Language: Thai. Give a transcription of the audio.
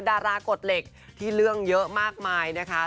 ดารากฎเหล็กที่เรื่องเยอะมากมายนะคะ